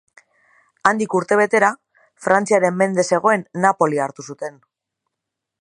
Handik urtebetera, Frantziaren mende zegoen Napoli hartu zuen.